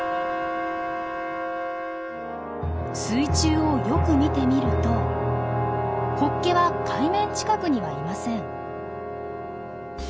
水中をよく見てみるとホッケは海面近くにはいません。